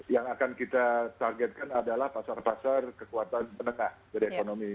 yang akan kita targetkan adalah pasar pasar kekuatan penengah dari ekonomi